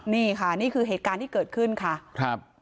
นี่ค่ะนี่คือเหตุการณ์ที่เกิดขึ้นค่ะครับ